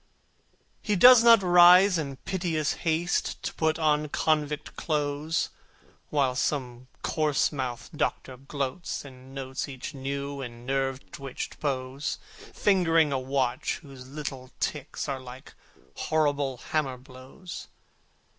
He does not rise in piteous haste To put on convict clothes, While some coarse mouthed Doctor gloats, and notes Each new and nerve twitched pose, Fingering a watch whose little ticks Are like horrible hammer blows.